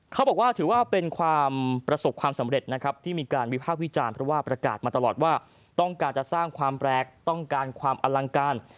เขาบอกว่าถือว่าเป็นความประสบความสำเร็จนะครับที่มีการวิพากษ์วิจารณ์เพราะว่าประกาศมาตลอดว่าต้องการจะสร้างความแปลกต้องการความอลังการ